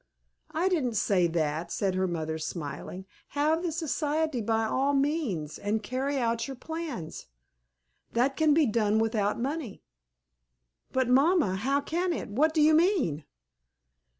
"I didn't say that," said her mother, smiling. "Have the society by all means, and carry out your plans. That can be done without money." "But, mamma, how can it? What do you mean?"